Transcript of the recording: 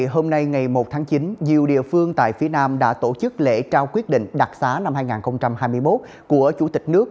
hôm nay ngày một tháng chín nhiều địa phương tại phía nam đã tổ chức lễ trao quyết định đặc xá năm hai nghìn hai mươi một của chủ tịch nước